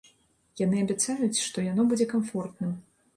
Яны абяцаюць, што яно будзе камфортным.